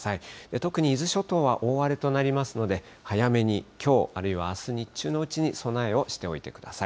特に伊豆諸島は大荒れとなりますので、早めにきょう、あるいはあす日中のうちに備えをしておいてください。